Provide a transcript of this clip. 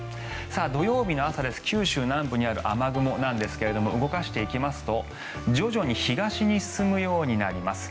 土曜日の朝九州南部にある雨雲なんですが動かしていきますと徐々に東に進むようになります。